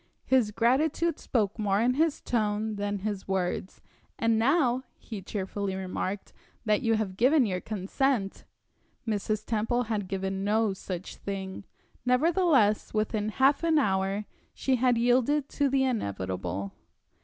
His gratitude spoke more in his tone than his words. "And now," he cheerfully remarked, "that you have given your consent " Mrs. Temple had given no such thing. Nevertheless, within half an hour she had yielded to the inevitable.